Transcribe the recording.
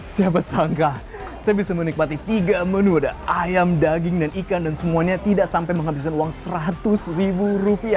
siapa sangka saya bisa menikmati tiga menu ada ayam daging dan ikan dan semuanya tidak sampai menghabiskan uang rp seratus